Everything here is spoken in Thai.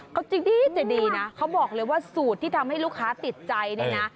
เขาจริงจะดีนะเขาบอกเลยว่าสูตรที่ทำให้ลูกค้าติดใจเนี่ยนะ